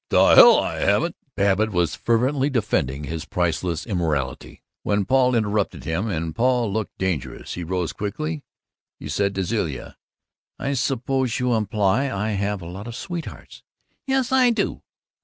"The hell I haven't!" Babbitt was fervently defending his priceless immorality when Paul interrupted him and Paul looked dangerous. He rose quickly; he said gently to Zilla: "I suppose you imply I have a lot of sweethearts." "Yes, I do!"